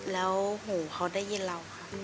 แล้วหูเขาได้ยินเราค่ะ